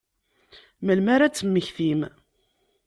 Melmi ara ad temmektim?